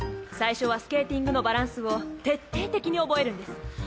最初はスケーティングのバランスを徹底的に覚えるんです。